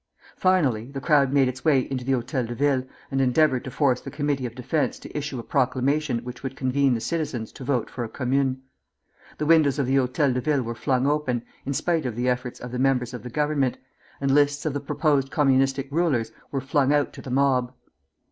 Finally, the crowd made its way into the Hôtel de Ville, and endeavored to force the Committee of Defence to issue a proclamation which would convene the citizens to vote for a commune. The windows of the Hôtel de Ville were flung open, in spite of the efforts of the members of the Government, and lists of the proposed Communistic rulers were flung out to the mob.